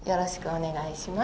お願いします。